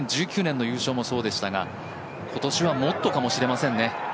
２０１９年の優勝もそうでしたが今年は、もっとかもしれませんね。